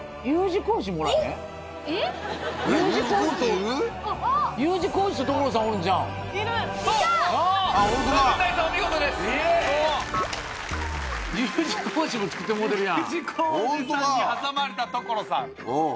Ｕ字工事さんに挟まれた所さん。